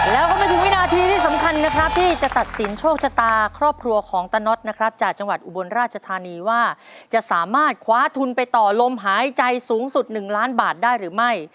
แล้วก็ไม่ถึงวินาทีที่สำคัญนะครับที่จะตัดสินโชคชะตาครอบครัวของตะน็อตนะครับจากจังหวัดอุบลราชธานีว่าจะสามารถคว้าทุนไปต่อลมหายใจสูงสุด๑ล้านบาทได้หรือไม่